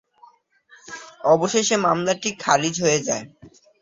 অবশেষে মামলাটি খারিজ হয়ে যায়।